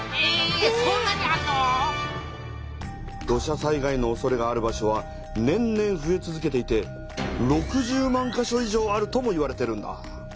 土砂災害のおそれがある場所は年々ふえ続けていて６０万か所以上あるともいわれてるんだ。